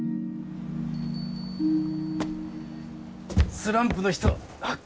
スランプの人発見！